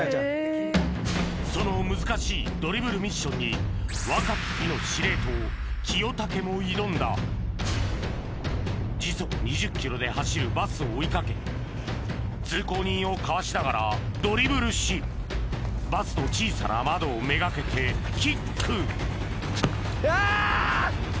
その難しいドリブルミッションに若き日の司令塔清武も挑んだ時速２０ｋｍで走るバスを追い掛け通行人をかわしながらドリブルしバスの小さな窓をめがけてキックうわ！